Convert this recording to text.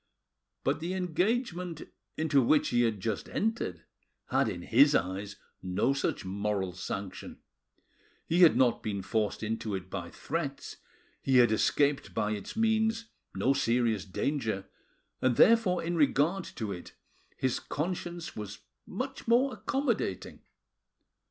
But the engagement into which he had just entered had in his eyes no such moral sanction; he had not been forced into it by threats, he had escaped by its means no serious danger, and therefore in regard to it his conscience was much more accommodating.